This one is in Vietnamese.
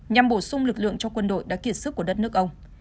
nhằm bổ sung lực lượng cho quân đội đã kiệt sức của đất nước ông